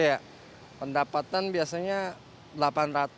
ya kalau dari pendapatan kalau anak sekolah nggak masuk berkurang banget